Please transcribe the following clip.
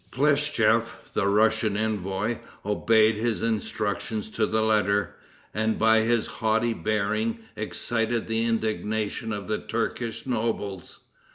Plestchief, the Russian envoy, obeyed his instructions to the letter, and by his haughty bearing excited the indignation of the Turkish nobles.